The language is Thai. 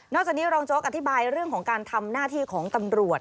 จากนี้รองโจ๊กอธิบายเรื่องของการทำหน้าที่ของตำรวจ